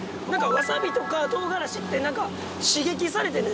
わさびとか唐辛子って刺激されてね